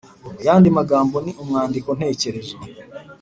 Mu yandi magambo ni umwandiko ntekerezo.